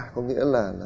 có nghĩa là